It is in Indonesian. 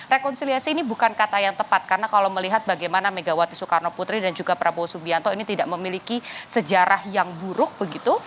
rekonsiliasi ini bukan kata yang tepat karena kalau melihat bagaimana megawati soekarno putri dan juga prabowo subianto ini tidak memiliki sejarah yang buruk begitu